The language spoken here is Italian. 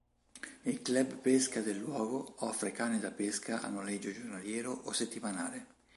Il club pesca del luogo offre canne da pesca a noleggio giornaliero o settimanale.